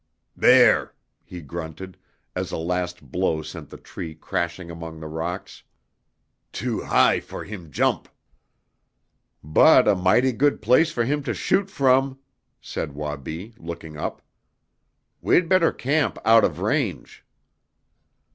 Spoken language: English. "There!" he grunted, as a last blow sent the tree crashing among the rocks. "Too high for heem jump!" "But a mighty good place for him to shoot from," said Wabi, looking up. "We'd better camp out of range."